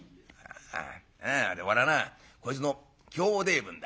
なあ俺はなこいつの兄弟分だ。